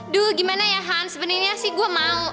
duh gimana ya han sebenarnya sih gue mau